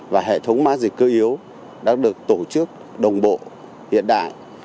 và hệ thống mã dịch cơ yếu đã được tổ chức đồng bộ hiện đại